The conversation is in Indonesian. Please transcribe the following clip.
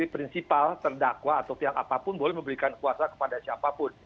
prinsipal terdakwa atau pihak apapun boleh memberikan kuasa kepada siapapun